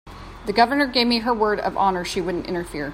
The Governor gave me her word of honor she wouldn't interfere.